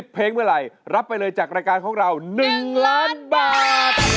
เพลงเมื่อไหร่รับไปเลยจากรายการของเรา๑ล้านบาท